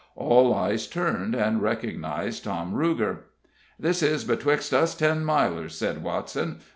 All eyes turned, and recognized Tom Ruger. "This is betwixt us Ten Milers," said Watson.